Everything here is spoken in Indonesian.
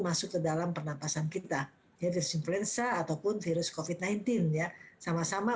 masuk ke dalam pernapasan kita yaitu influenza ataupun virus covid sembilan belas ya sama sama